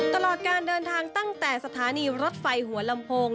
ตลอดการเดินทางตั้งแต่สถานีรถไฟหัวลำโพง